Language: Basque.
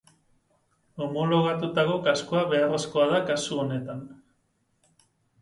Homologatutako kaskoa beharrezkoa da kasu honetan.